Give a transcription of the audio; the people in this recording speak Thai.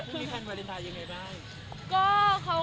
พรุ่งนี้ทานวาเลนไทยยังไงบ้าง